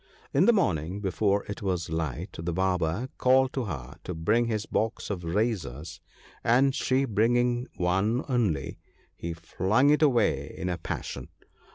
In the morning, before it was light, the Barber called to her to bring his box of razors, and she bringing one only, he flung it away in a passion.